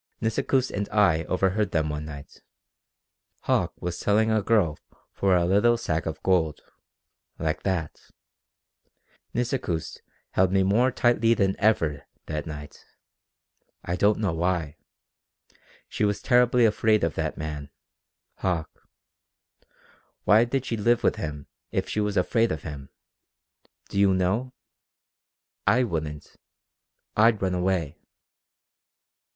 "Nisikoos and I overheard them one night. Hauck was selling a girl for a little sack of gold like that. Nisikoos held me more tightly than ever, that night. I don't know why. She was terribly afraid of that man Hauck. Why did she live with him if she was afraid of him? Do you know? I wouldn't. I'd run away."